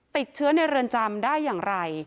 ติดเชื้อในเรือนจำได้อย่างไร